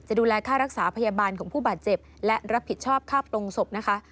ดูแลค่ารักษาพยาบาลของผู้บาดเจ็บและรับผิดชอบค่าปลงศพนะคะ